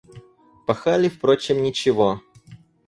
Пахали, впрочем, ничего.